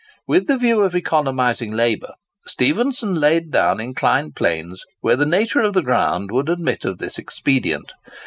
With the view of economising labour, Stephenson laid down inclined planes where the nature of the ground would admit of this expedient.